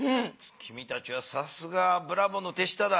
きみたちはさすがブラボーの手下だ。